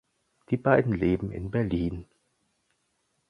Die beiden leben in Berlin.